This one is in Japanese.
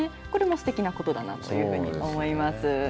これもすてきなことだなというふうに思います。